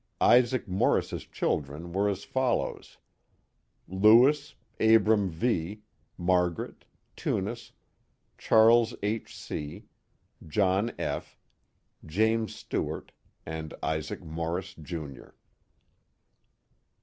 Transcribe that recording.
Isaac Morris's children were as follows: Lewis, Abram V,, Margaret. Tunis, Charles H. C, John F., James Stewart, and Isaac Morris, Jr.